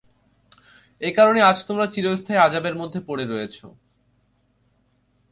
এ কারণেই আজ তোমরা চিরস্থায়ী আযাবের মধ্যে পড়ে রয়েছ।